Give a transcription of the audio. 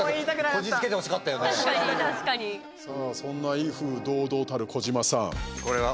そんな威風堂々たる児嶋さん。